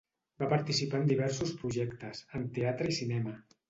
Va participar en diversos projectes, en teatre i cinema.